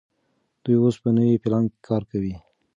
دوی اوس په نوي پلان کار کوي.